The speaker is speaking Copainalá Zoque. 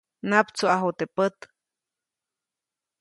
Naptsuʼaju teʼ pät.